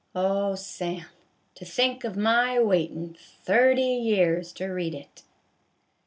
Oh, Sam, to think of my waitin' thirty years to read it